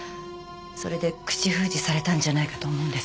それで口封じされたんじゃないかと思うんです。